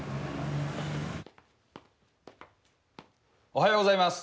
おはようございます。